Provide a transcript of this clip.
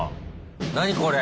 何これ！